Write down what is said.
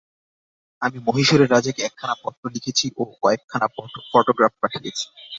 আমি মহীশূরের রাজাকে একখানা পত্র লিখেছি ও কয়েকখানা ফটোগ্রাফ পাঠিয়েছি।